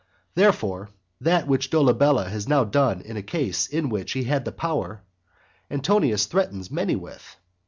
Therefore, that which Dolabella has now done in a case in which he had the power, Antonius threatens many with.